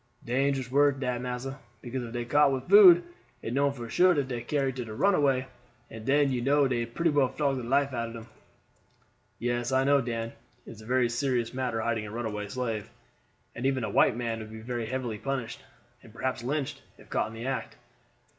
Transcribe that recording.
Dangerous work dat, massa; because if dey caught with food, it known for sure dat dey carry it to runaway, and den you know dey pretty well flog the life out of dem." "Yes, I know, Dan; it is a very serious matter hiding a runaway slave, and even a white man would be very heavily punished, and perhaps lynched, if caught in the act.